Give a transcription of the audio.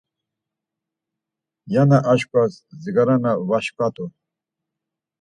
“Ya na aşǩva zigara na va şvart̆u?”